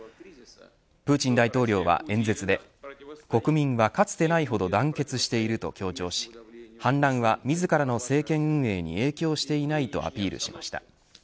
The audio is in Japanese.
プーチン大統領は演説で国民は、かつてないほど団結していると強調し反乱は自らの政権運営に影響していないとアピールしました。